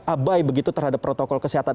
abai begitu terhadap protokol kesehatan